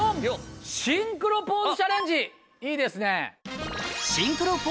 シンクロポーズチャレンジいいですね。